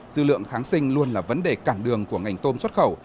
dư lượng kháng sinh luôn là vấn đề cản đường của ngành tôm xuất khẩu